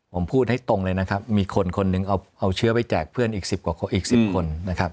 ผมพูดให้ตรงเลยนะครับมีคนคนหนึ่งเอาเชื้อไปแจกเพื่อนอีก๑๐คน